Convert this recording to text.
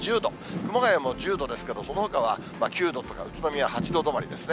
熊谷も１０度ですけど、そのほかは９度とか、宇都宮８度止まりですね。